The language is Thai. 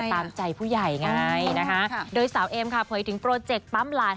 ตามใจผู้ใหญ่ไงนะคะโดยสาวเอ็มเหลักหนัวถึงโปรเจกต์ปั้มหลานให้ได้ฟัง